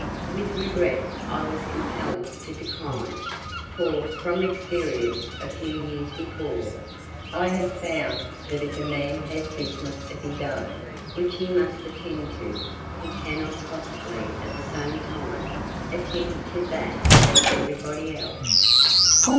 With regret I was compelled to decline; for, from experience a few years before, I had found that if a man has business of his own which he must attend to he cannot possibly at the same time attend to that of everybody else.